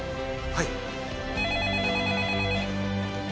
はい。